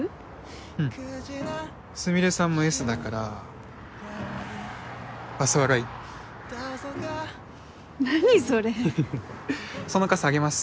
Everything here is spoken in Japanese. うんスミレさんも「Ｓ」だからお揃い何それその傘あげます